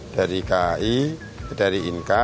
dari kai dari inka